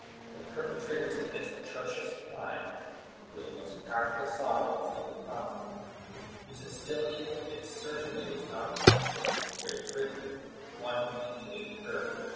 The perpe trators of this atrocious crime were the most powerful sovereigns of the continent, whose hos tility it certainly was not the interest of Great Britain wantonly to incur.